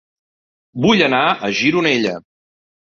Vull anar a Gironella